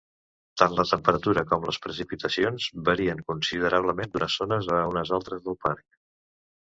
Tant la temperatura com les precipitacions varien considerablement d'unes zones a unes altres del parc.